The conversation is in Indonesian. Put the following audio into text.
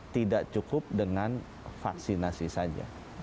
tidak cukup dengan vaksinasi saja